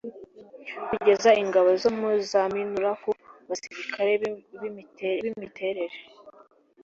kugeza ingabo za minuar ku basirikare imiterere